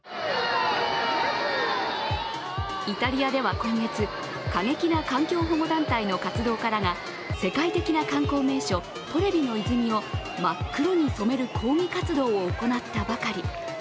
イタリアでは今月、過激な環境保護団体の活動家らが世界的な観光名所・トレビの泉を真っ黒に染める抗議活動を行ったばかり。